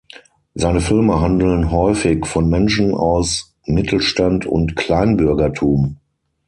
Seine Filme handeln häufig von Menschen aus Mittelstand und Kleinbürgertum.